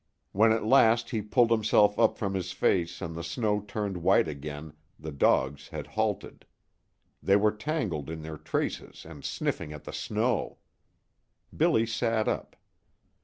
When at last he pulled himself up from his face and the snow turned white again, the dogs had halted. They were tangled in their traces and sniffing at the snow. Billy sat up.